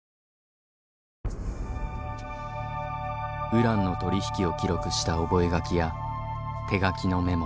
ウランの取り引きを記録した覚書や手書きのメモ。